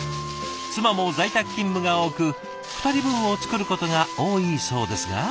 妻も在宅勤務が多く２人分を作ることが多いそうですが。